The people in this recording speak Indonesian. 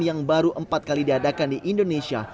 yang baru empat kali diadakan di indonesia